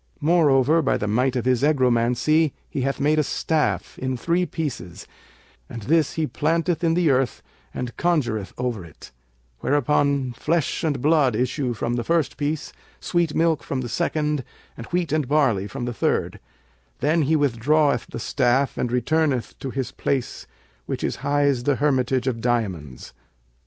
Moreover, by the might of his egromancy he hath made a staff, in three pieces, and this he planteth in the earth and conjureth over it; whereupon flesh and blood issue from the first piece, sweet milk from the second and wheat and barley from the third; then he withdraweth the staff and returneth to his place which is highs the Hermitage of Diamonds.